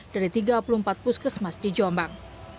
dari tiga puluh empat puskesmas di jombang